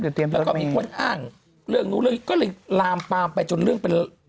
แล้วก็มีคนอ้างเรื่องนู้นเรื่องนี้ก็เลยลามปามไปจนเรื่องเป็น